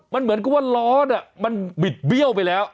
มันเหมือนกับว่าล้อมันบิดเบี้ยวไปแล้ว